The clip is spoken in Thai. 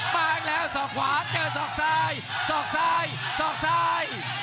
มาอีกแล้วสอกขวาเจอศอกซ้ายสอกซ้ายสอกซ้าย